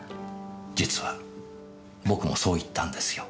実は僕もそう言ったんですよ。